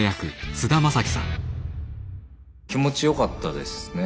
気持ちよかったですね